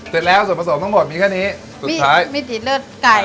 เสร็จแล้วส่วนผสมทั้งหมดมีแค่นี้สุดท้ายไม่ติดเลือดไก่